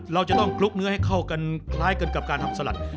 เราจะต้องคลุกเนื้อให้เข้ากันคล้ายกันกับการทำสลัด